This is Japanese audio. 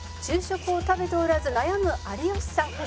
「昼食を食べておらず悩む有吉さん」